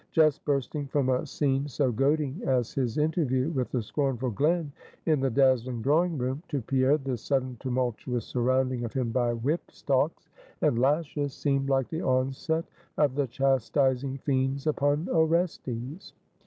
Just bursting from a scene so goading as his interview with the scornful Glen in the dazzling drawing room, to Pierre, this sudden tumultuous surrounding of him by whip stalks and lashes, seemed like the onset of the chastising fiends upon Orestes.